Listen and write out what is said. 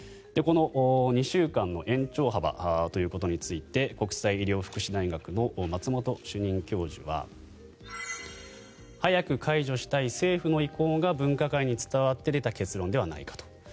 この２週間の延長幅ということについて国際医療福祉大学の松本主任教授は早く解除したい政府の意向が分科会に伝わって出た結論ではないかと。